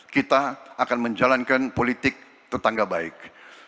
kita akan menjalankan politik tetangga baik